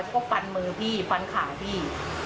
ก็ตาไปบอกก็ฟันมือพี่ฟันขาวพี่